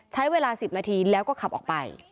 ใช้เวลา๑๐นาทีแล้วก็ขับออกไป